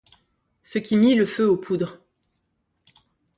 Ce qui mit le feu aux poudres.